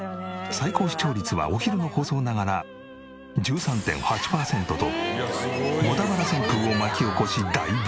最高視聴率はお昼の放送ながら１３．８パーセントと『ボタバラ』旋風を巻き起こし大ブレーク。